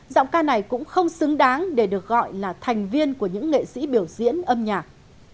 giọng ca này cũng không xứng đáng để được gọi là thành viên của những nghệ sĩ biểu diễn âm nhạc